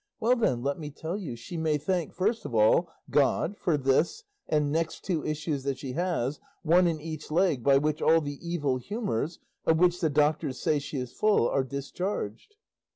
Well then, let me tell you she may thank, first of all God, for this, and next, two issues that she has, one in each leg, by which all the evil humours, of which the doctors say she is full, are discharged."